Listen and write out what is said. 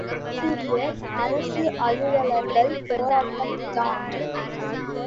ஆசிரியர், அரசு அலுவலர்கள் போராட்டம் தான்!